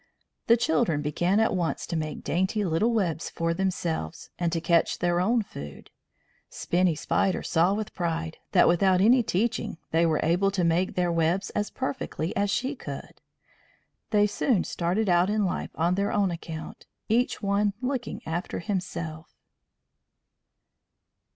The children began at once to make dainty little webs for themselves, and to catch their own food. Spinny Spider saw with pride that without any teaching they were able to make their webs as perfectly as she could. They soon started out in life on their own account, each one looking after himself.